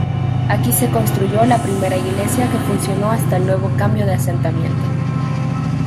Aquí se construyó la primera iglesia que funcionó hasta el nuevo cambio de asentamiento.